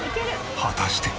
果たして。